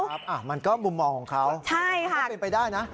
ครับอ่ะมันก็มุมมองของเขาใช่ค่ะมันก็เป็นไปได้นะ